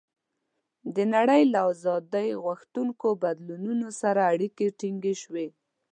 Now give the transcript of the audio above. د نړۍ له آزادۍ غوښتونکو بدلونونو سره اړیکې ټینګې شوې.